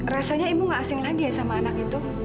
rasanya ibu gak asing lagi ya sama anak itu